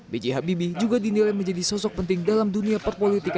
b j habibie juga dinilai menjadi sosok penting dalam dunia perpolitikan